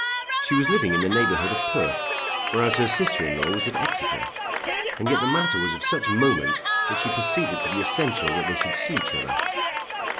She was living in the neighbourhood of Perth, whereas her sister in law was at Exeter. And yet the matter was of such moment that she perceived it to be essential that they should see each other.